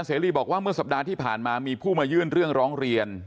เสรีบอกว่าเมื่อสัปดาห์ที่ผ่านมามีผู้มายื่นเรื่องร้องเรียน